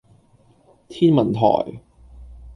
天文台